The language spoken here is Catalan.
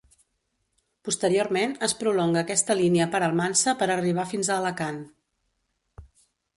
Posteriorment es prolonga aquesta línia per Almansa per arribar fins a Alacant.